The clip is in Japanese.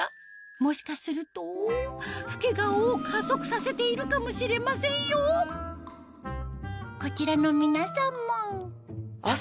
もしかすると老け顔を加速させているかもしれませんよあっ分かる！